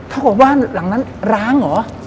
กับบ้านหลังนั้นร้างเหรอ